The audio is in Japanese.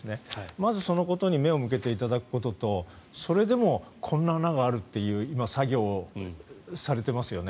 まず、そのことに目を向けていただくこととそれでも、こんな穴があるという作業を今されていますよね。